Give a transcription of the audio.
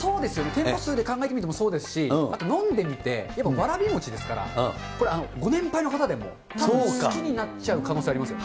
店舗数で考えてみてもそうですし、あと飲んでみて、やっぱりわらびもちですから、これ、ご年配の方でもたぶん好きになっちゃう可能性ありますよ。